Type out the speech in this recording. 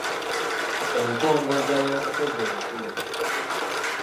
Enkongozza y’omukozzi omukulu